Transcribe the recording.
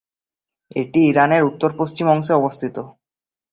এটি ইরানের উত্তর-পশ্চিম অংশে অবস্থিত।